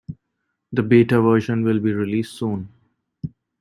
The Beta version will be released soon.